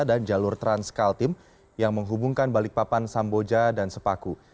dan jalur transkaltim yang menghubungkan balikpapan samboja dan sepaku